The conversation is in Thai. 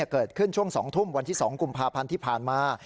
เกิดขึ้นช่วง๒ทุ่มวันที่๒กุมภาพันธ์ที่ผ่านมา